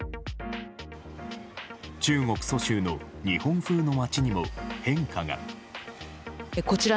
中国・蘇州の日本風の街にも変化が。